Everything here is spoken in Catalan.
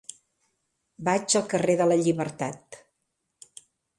Vaig al carrer de la Llibertat.